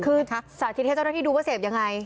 คือสาธิตให้เจ้าหน้าที่ดูว่าเสพยังไง